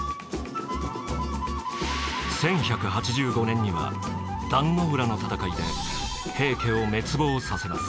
１１８５年には壇ノ浦の戦いで平家を滅亡させます。